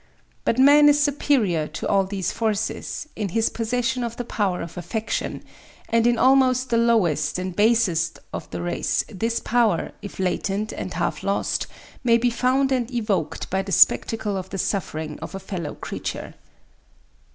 But man is superior to all these forces in his possession of the power of affection; and in almost the lowest and basest of the race this power, if latent and half lost, may be found and evoked by the spectacle of the suffering of a fellow creature.